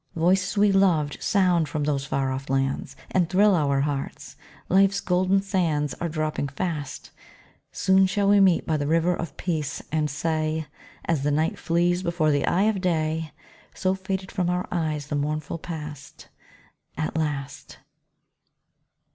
Voices we loved sound from those far off lands, And thrill our hearts; life's golden sands Are dropping fast; Soon shall we meet by the river of peace, and say, As the night flees before the eye of day, So faded from our eyes the mournful past, At last.